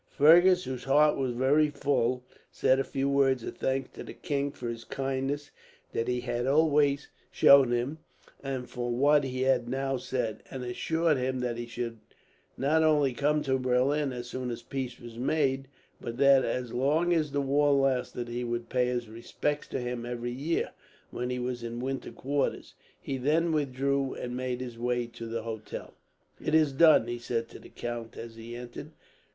Fergus, whose heart was very full, said a few words of thanks to the king for the kindness that he had always shown him, and for what he had now said; and assured him that he should not only come to Berlin, as soon as peace was made; but that, as long as the war lasted, he would pay his respects to him every year, when he was in winter quarters. He then withdrew, and made his way to the hotel. "It is done," he said to the count as he entered.